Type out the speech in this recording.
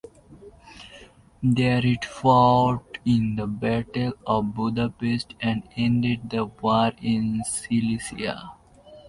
There it fought in the Battle of Budapest and ended the war in Silesia.